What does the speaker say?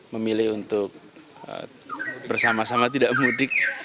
memilih untuk bersama sama tidak mudik